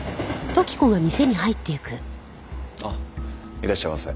いらっしゃいませ。